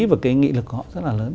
và cái nghị lực của họ rất là lớn